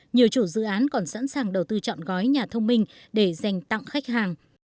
nhiều chủ dự án còn sẵn sàng đầu tư chọn gói nhà thông minh để dành tặng khách hàng